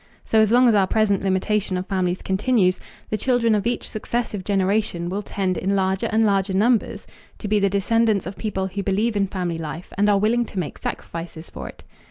So as long as our present limitation of families continues, the children of each successive generation will tend in larger and larger numbers to be the descendants of people who believe in family life and are willing to make sacrifices for it.